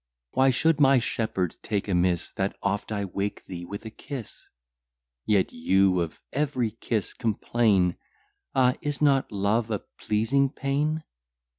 Why should my shepherd take amiss, That oft I wake thee with a kiss? Yet you of every kiss complain; Ah! is not love a pleasing pain?